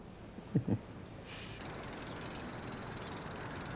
フフ。